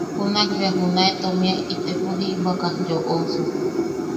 Junakbea junae tomie itepo jibwaka yoʼosuk.